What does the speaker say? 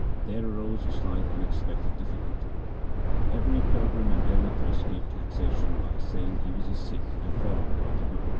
There arose a slight unexpected difficulty. Every pilgrim endeavoured to escape taxation by saying he was a Sikh and follower of the Guru.